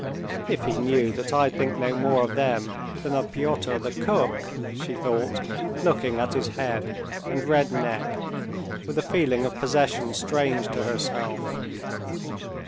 If he knew that I think no more of them than of Piotr the cook," she thought, looking at his head and red neck with a feeling of possession strange to herself.